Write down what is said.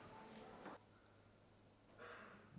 bantu aku untuk membuang mayat baru